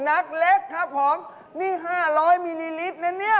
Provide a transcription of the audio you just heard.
อ้าวแล้ว๓อย่างนี้แบบไหนราคาถูกที่สุด